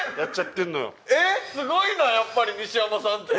すごいなやっぱり西山さんって。